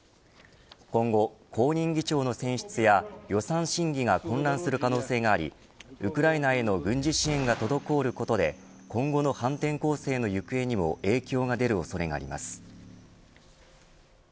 今後、後任議長の選出や予算審議が混乱する可能性がありウクライナへの軍事支援が滞ることで今後の反転攻勢の行方にも影響が出る恐れがあります。